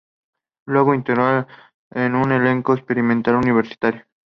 Luego integró un elenco experimental universitario.